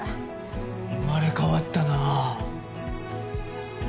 生まれ変わったな。